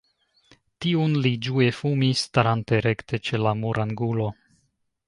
Tiun li ĝue fumis, starante rekte ĉe la murangulo.